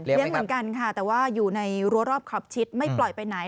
เหมือนกันค่ะแต่ว่าอยู่ในรัวรอบขอบชิดไม่ปล่อยไปไหน